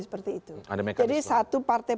seperti itu ada mekanisme jadi satu partai